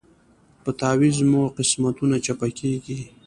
په تعویذ مو قسمتونه چپه کیږي